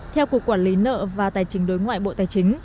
theo cục quản lý nợ và tài chính đối ngoại bộ tài chính